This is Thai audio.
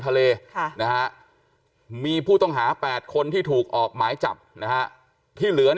ทะเลมีผู้ต้องหา๘คนที่ถูกออกหมายจับที่เหลือ